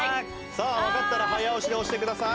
さあわかったら早押しで押してください。